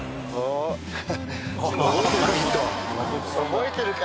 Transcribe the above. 覚えてるか？